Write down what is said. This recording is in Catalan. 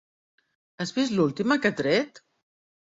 Has vist l'última que ha tret?